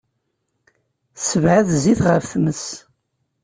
Ssebɛed zzit ɣef tmes.